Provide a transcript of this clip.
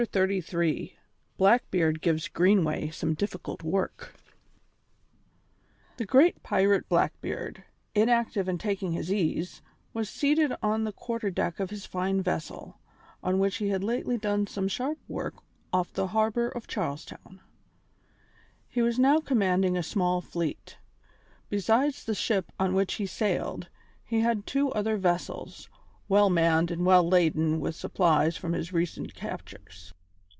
CHAPTER XXXIII BLACKBEARD GIVES GREENWAY SOME DIFFICULT WORK The great pirate Blackbeard, inactive and taking his ease, was seated on the quarter deck of his fine vessel, on which he had lately done some sharp work off the harbour of Charles Town. He was now commanding a small fleet. Besides the ship on which he sailed, he had two other vessels, well manned and well laden with supplies from his recent captures.